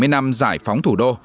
bảy mươi năm giải phóng thủ đô